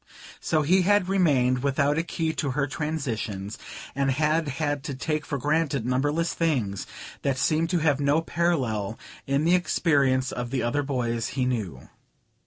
So he had remained without a key to her transitions, and had had to take for granted numberless things that seemed to have no parallel in the experience of the other boys he knew.